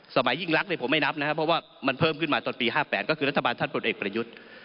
ยิ่งรักผมไม่นับนะครับเพราะว่ามันเพิ่มขึ้นมาตอนปี๕๘ก็คือรัฐบาลท่านผลเอกประยุทธ์